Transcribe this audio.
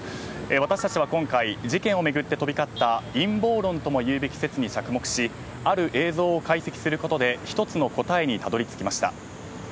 私たちは今回事件を巡って飛び交った陰謀論ともいうべき説に着目しある映像を解析することで一つの答えにたどり着きました。